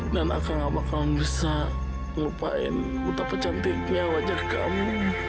dan akang gak bakal bisa ngelupain betapa cantiknya wajah kamu